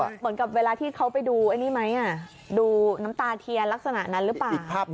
เหมือนกับเวลาที่เขาไปดูน้ำตาเทียรักษณะนั้นหรือเปล่า